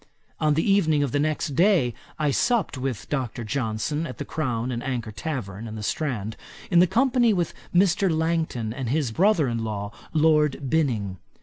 On the evening of the next day I supped with Dr. Johnson, at the Crown and Anchor tavern, in the Strand, in company with Mr. Langton and his brother in law, Lord Binning.